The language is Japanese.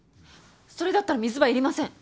それだったら水場いりません。